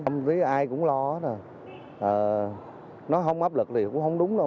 tâm lý ai cũng lo nói không áp lực thì cũng không đúng đâu